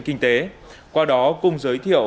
kinh tế qua đó cung giới thiệu